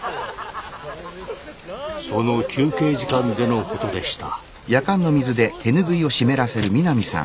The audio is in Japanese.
その休憩時間でのことでした。